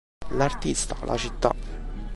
L'artista, la città.